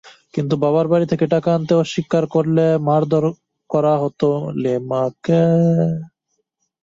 কিন্তু বাবার বাড়ি থেকে টাকা আনতে অস্বীকার করলে মারধর করা হতো লিমাকে।